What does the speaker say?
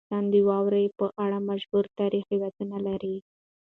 افغانستان د واوره په اړه مشهور تاریخی روایتونه لري.